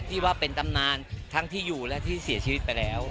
ที่ว่าเป็นตำนานทั้งที่อยู่และที่เสียชีวิตไปแล้ว